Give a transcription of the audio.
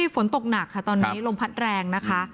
ฝนตกหนักรมผัดแรงนะคะ